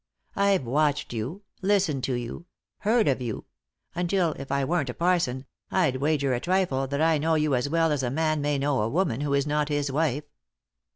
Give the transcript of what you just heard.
I've watched you ; listened to you ; heard of you ; until, if I weren't a parson, I'd wager a trifle that I know you as well as a man may know a woman who is not his wife."